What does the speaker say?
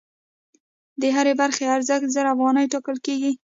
د هرې برخې ارزښت زر افغانۍ ټاکل کېږي